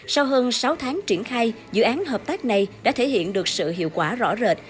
sau hơn sáu tháng triển khai dự án hợp tác này đã thể hiện được sự hiệu quả rõ rệt